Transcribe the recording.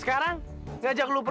star dion selalu daya plus